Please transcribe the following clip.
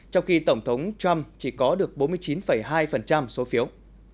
trong khi tổng thống trump chỉ có được bốn mươi chín hai số phiếu